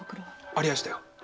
ありやした。